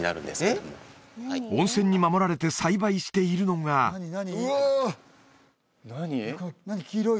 温泉に守られて栽培しているのがうわ！